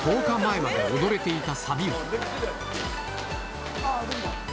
１０日前まで踊れていたサビも。